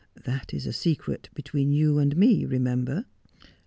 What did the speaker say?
That is a secret between you and me, remember.'